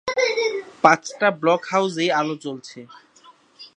পাঁচটা ব্লক হাউসেই আলো জ্বলছে।